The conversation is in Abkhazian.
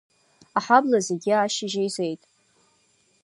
Аҳабла зегьы ашьыжь еизеит.